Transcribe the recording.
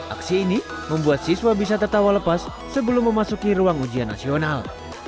aksi ini membuat siswa bisa tertawa lepas sebelum memasuki ruang ujian nasional